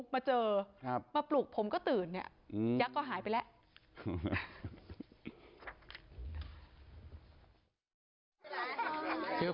มาเจอมาปลุกผมก็ตื่นเนี่ยยักษ์ก็หายไปแล้ว